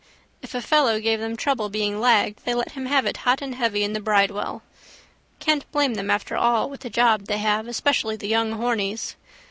If a fellow gave them trouble being lagged they let him have it hot and heavy in the bridewell. Can't blame them after all with the job they have especially the young hornies.